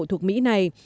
thuộc mỹ này